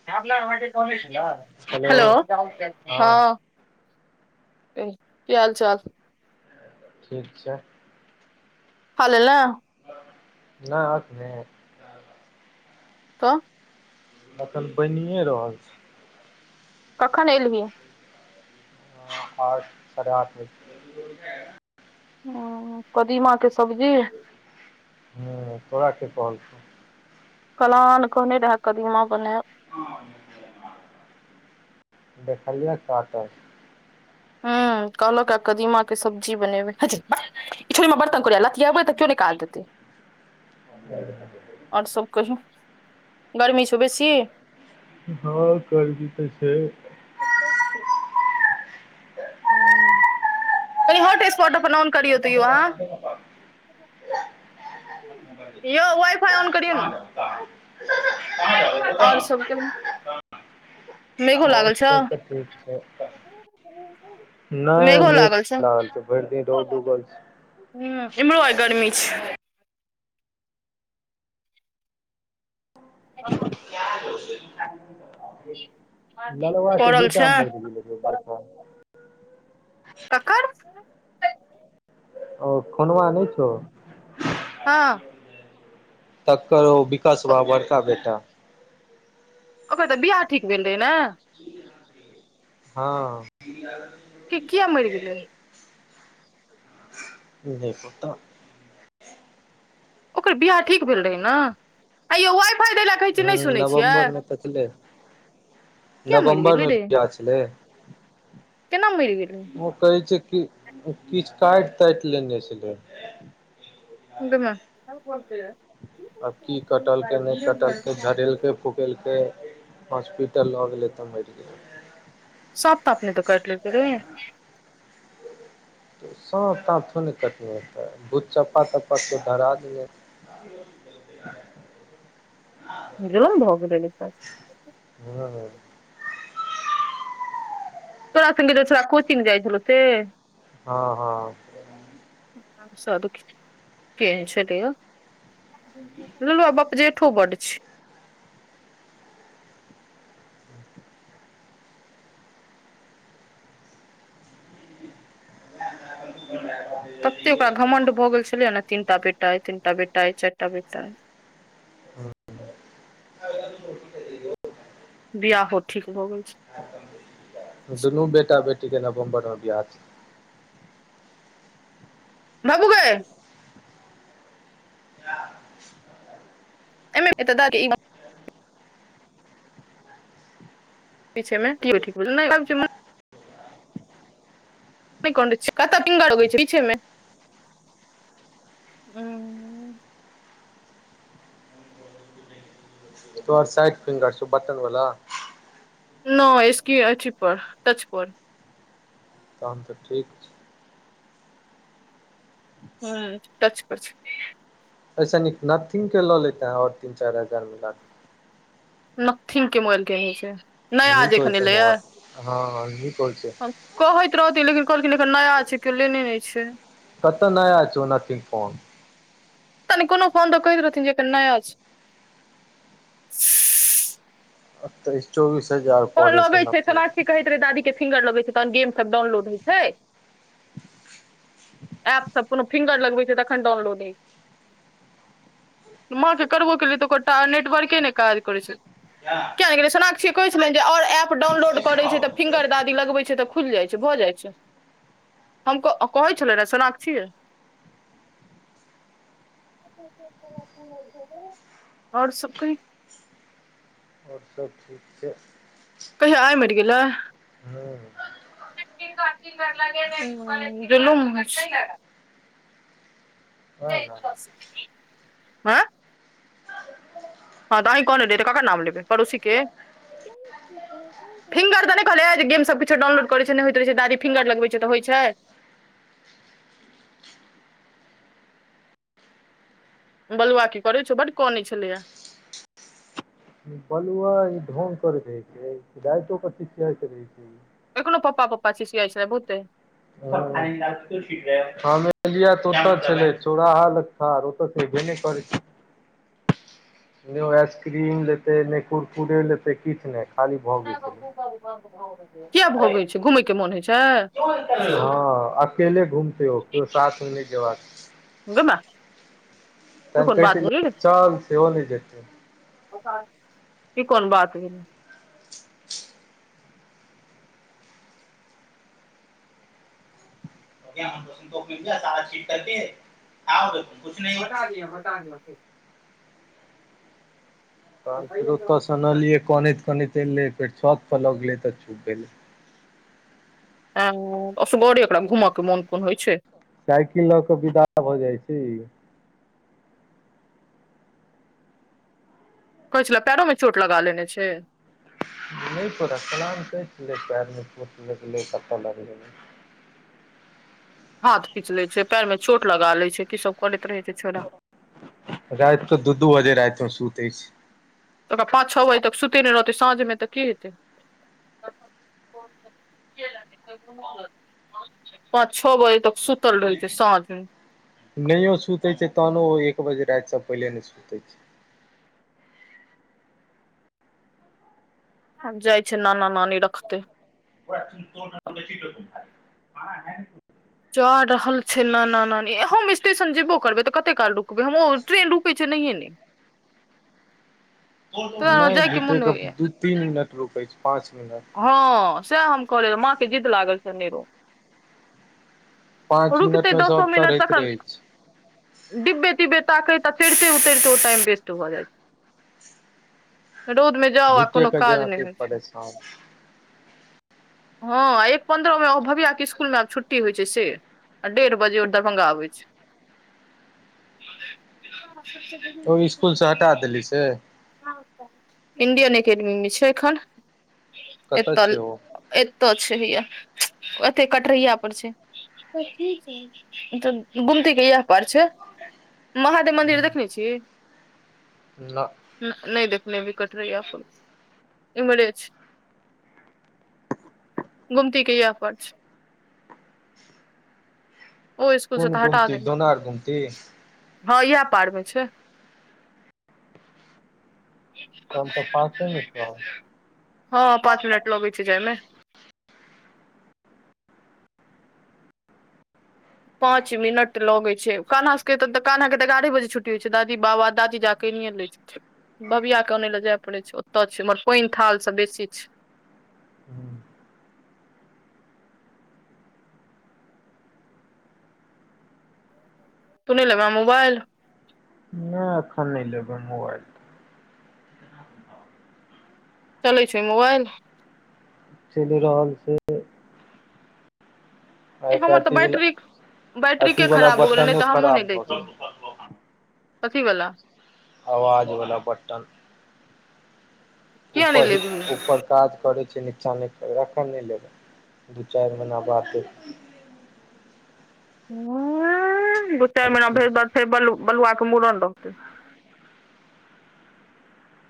Hello hello हँ ह कि हाल चाल ठीक छै। खा लेलौ। नै अखने। त एखन बनिए रहल छै। कखन एलही आठ साढ़े आठ बजे हँ कदीमा के सब्जी हू तोरा के कहल कौ कलान कहने रह कदीमा बनेब देखलिय कटल ह कहलक आ कदीमा के सब्जी बनेबैहै छौरि भक ई छौरि बर हमरा तंग करेय लतीयेबै त कीयो नै काज देतै आओर सब कहिय गर्मी छ बेसी हँ गर्मी त छै ह कनी होॉटस्पोट अपन ऑन करियो त अहँ ययो वइफाइऑन करियौ न कहाँ जाई छीभुटान आय ठमं आर सब त ठीक छै नैय मेघो मेग लागल छौ काह लगल छै भैर दिन रौद उगल छै ह इमरो गरमी छै हँ ल्लबा के पड़ल बेटा छै मैर गेलैय बरका कक्कड़ ओ खोनमा नैय छौ हँ तकर औ विकाश क- बा बड़का बेटा ओकर त बियाह ठीक भेल रहै ने हँ छैत कि किया मैर गेलैय नै पताह ओकर बियाह ठीक भेल रहैं न आयो वैइ फैइ दैला हु नवम्बरमे तैक लेब किया मरि गेलै नवम्बरमे रे वियाह छलै केना मरि गेलै ओ कहै छै कि किछ कैट तैट लेने छलैय गै मए अब की कटलकै नहि कटलकै झरेलकै फूकेलकै हॉस्पिटल लगेलै त मरि गेलै सांप तांप नैत कैट लेल कै गेइ मैया सांप तांप थोड़े कटनी हतै भुसांफ तांपा कीयो धारा देनहेतैय इहो भशक्य हँ तोरा संगे छोरा कोचिंग जाइ छलौ से हँ हँ स देखिए केन छैल हँन ल्लबा बपजेठो बढ़ छै [unintelligible] तते ओकरा घमंड भगेल छलै ह ने तीनटा बेटा अइ तीन टा बेटा अइ चारि टा बेटा आ बिआाहहो ठीक भ गेल छै दुनू बेटा बेटी क नवम्बर म बियाह [unintelligible] [inaudible] [unintelligible] [inaudible] कंग तोर साइड फिंगर बटन वला- [unintelligible] तहन तऽ ठीक छै। ह च हपर ऐसे न नथिंग के लऽ लेत है और तीन चार हजार ऋ ला [unintelligible] एखन एलै या [inaudible] हम कहैत रहथिन लेकिन कहलखिन एखन नया छै केओ लेने नहि छै। कतऽ नय नथींग फोन [unintelligible] अंऑइस चौबीस हजार फोन पड़ैत लगे छ छै सोनाक्षी अपने-ऑ कहैत दादी के सिंगर लगै छै तह गेम सब डाउनलोड होइ छै। एप सब कोनो फिंगर लगे छै महके करबो केलियै तऽ ओकरटा नटवर्के ने काज करैत छै। [unintelligible] जे आओर एप डाउनलोड करै छै तऽ फिंगर दादी लगबै छै तऽ खुलि जाइ छै भऽ जाइ छै। [inaudible] आर सुकरि आओर सब ठीक छै। कसे आय मर गेल [inaudible] कि घर ल गेल जुलूम- ओहे आँ [unintelligible] फिंगर तऽ नहि कहलै गेमसभ किछो डाउनलोड करै छै नहि होइत रहै छै दादी फिंगर लगबैत छै तऽ होइत छै। बलुआ की कनैछ बट कन छलैा बलुआ ई ढोङंग रहै छै रकथ च रहैक छै। क कोनो पप्पा पप्पा ची सिियाइ छ छलै बहुते [unintelligible] सै रो तऽ छै भे नहि कर छै। नहि ओ आइसक्रीम लेतै ने कुरकुरे लेतै किछु नहि। खाली भगै किए भगै छलै छै के मोन होइ छै। हँ अकेले घूमत हो केो साथ आनंद बौक भ गेल गै माय त ई कोन कै छै बात भेलै रे चाल सेवल जेतै। ई कोन बात भेल [unintelligible] तके मतै--जै तहन फेर ओतऽसँ अनलियै कनैत कनैत एलै फेर छतपर लग गेलै तऽ छुप भेलै मोन कोन होइ छै। साइकिल लऽ कऽ विदा भऽ जाइ छै ई कहै छला पैरो मे चोट लगा लेने छै। [unintelligible] हाथ पीच लै छै पाइर में चोट लगा ले छै की सब करैत रहे छै छोड़ा रति तऽ दू दू बजे रति क शूतै छै तऽ ओकरा पाँच छओ बजे तक सुते नै रहतै साँझ मे तऽ की हेतै। पाँच छ बजे तक सु तल रहै छी छै सांझ मे नहियो सुतै छै तहनो ओ एक बजे रातिसँ पहिले नहि सुतै छै आब जाइ छै नाना नानी रखतै [unintelligible] जा रहल छै नना नानी हम स्टेशन जेबो करबै तऽ कते काल रुकबै हम ट्रेन रुकै छै नहिये नै [inaudible] नहि जायके मोन [unintelligible] होइया दू तीन मिनट रुकै छै पाँच मिनट हँ सएह हम कहलियै त माँ के जीद लागल छै अनेरो पाँच रुकतै मिनट मे दसो सब मिनट चढ़ैत तखन रहै छै डिब्बे डिब्बे ताके त चढ़िते उतरिते ओ टाइम बेस्ट भऽ जाइ छै रौद मे जाउ आ झूठे कोनो के काज नै जेके होइ छै परेशान हँ एक पन्द्रह मे ओ भविया के इसकुल मे आब छुट्टी होइ छै से आ डेढ़ बजे ओ दरभंगा आबै छै ओई इसकुल से हटा देलहि से इण्डियन एकेडमी मे छै एखन कतऽ छै एतऽ ओ एतऽ छेलैया एतै कटरैय पर छै [unintelligible] तऽ गुमती के येह पार छै महादेव मन्दिर देखने छी न न नहि देखने हेभी कटरैया पर ईमरे छै गुमती [unintelligible] पर छै ओ स्कूल से कोन तऽ हटा गुमती देने दोना गुमती हँ इएह पारमे छै तन तऽ पासे मे छ हँ पाँच मिनट लगै छै जायमे पाँंच मिनट लगै छै कान्हा स के काना के तऽ एगारहे बजे छुट्टी हो छै दादी बाबा दादी जा केनिये [unintelligible] बबिया के अनय ले जाय पड़ै छै ओतय छै उमहर पानि थाल सब बेसी छै नहि तू नै लेबा मोबाइल नय एखन नय लेबै मोबाइल [unintelligible] चलै छै मोबाइल चलि रहल छै ए आइ हमर काल्हि तऽ अथी वला बैट्ररीक अथी बैटरीके वला खराब भऽ गेलै बटनो नहि तऽ हमहूं खराब नहि भऽ लैतियै गेल कथिवला आवाज वल्ला बटन किया नहि उपर लेबही उ पर काज करै छै निचा नहि कर एखन नै लेब दू चारि महिना बाद लेब [unintelligible] फेर बरूआ के मूड़न रहतै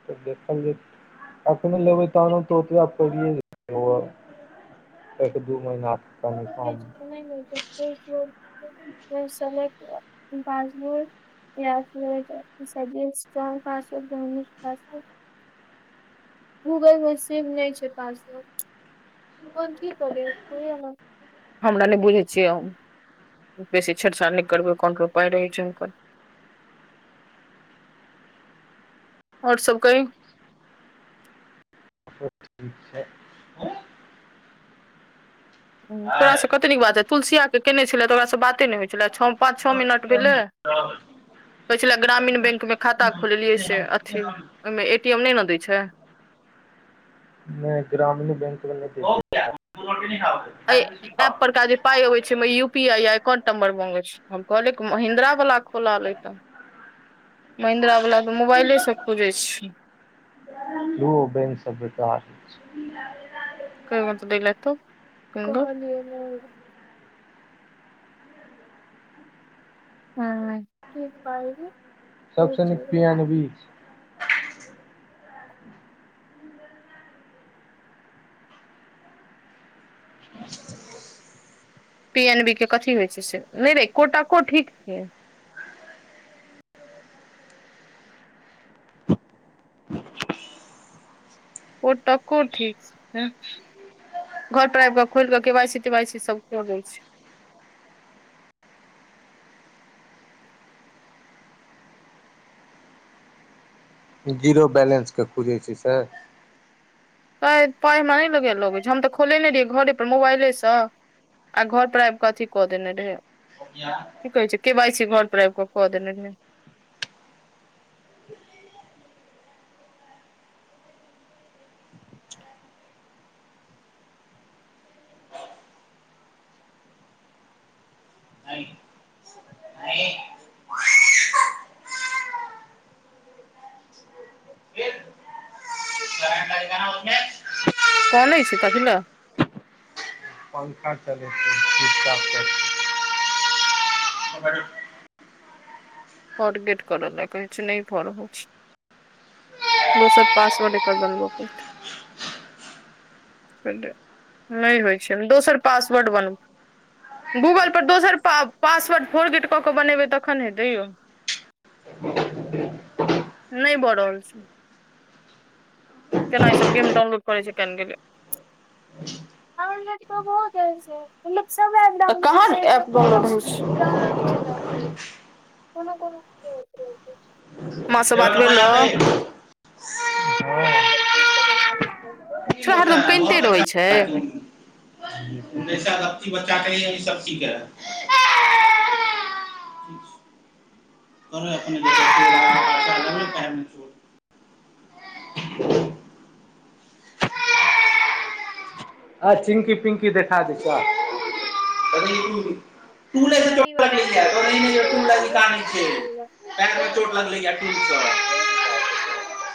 [unintelligible] एक दू महिना [inaudible] पासबुक य स्ट्रोंग पासबुक पासबुक गूगल मे सेिव नहि छै पासबक हमरा नहि बुझै छियै बेसी छेड़ सड़ करबै कोन रोपााय रहै छै आओर सब कहइ [inaudible] तोरासँ कते नीक बात तुलसियाक केने छले तोकरासँ बाते नहि छलै छ पाँच छओ मिनट भेले [inaudible] ग्रामीण बैंक में खाता खोललियै से अथी ओहिमे ए टी एम नहि ने दै छै ग्रामीण बैंक मै [unintelligible] कहलै महिन्द्रा खोलालै तऽ महिंन्द्रा वालला तऽ मोबाइले से खोलछै लू बन सब कह [unintelligible] [inaudible] [inaudible] सबस पियन बी पी एन बी के कथी होइ छै से नहि र एकोटाो ठीक छै पो तटक ठीक छै घर टाइप क खोल कऽ केवइ सी तेवा सी सब क द छै [unintelligible] जीरो बैलेंसके खुजै छै स प पाई मे नहि लगे लगै छै हम तऽ खोलेने रहियै घरे मोबाइले से आ घर पर आब कऽ अथी कऽ देनेरहेौ कठ कहै छै के बैइसी घैर पिर क देेलने ने कोन होइ छै तऽ ल अच्छाछा [inaudible] फरगेट कर ल कहै छै नहि फर हो छै दोसर पासवर्ड एक ब ब फटजौ नहि होदैइ छै दोसर पासवर्ड बनब गूगल परर दोसर प पासवर्ड फोरगेट कऽ कऽ बनेबै तखन हेतैौ नहि बड़ होल से, ऋ [unintelligible] कहाँ इसलिए जै म बात भेल रह [inaudible] उैाल कब चीज बच्चा के ली सब चीज है [inaudible] [inaudible] आ पिंकी देखा द छ नहि बला इन जे टूल लग कानै छै करन पैर में चोट लग लेगा टूटा [unintelligible]